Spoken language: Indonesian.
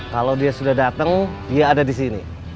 kalau dia sudah dateng dia ada disini